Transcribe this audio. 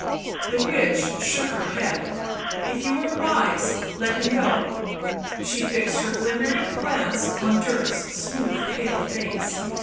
The witch shook her head. " If you are wise, let him go." She fixed her glimmering glance on Dirk's smooth pale face.